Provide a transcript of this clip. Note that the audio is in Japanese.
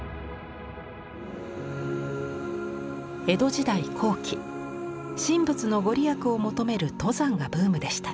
江戸時代後期神仏の御利益を求める登山がブームでした。